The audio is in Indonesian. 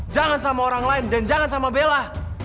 jangan sama orang lain dan jangan sama bella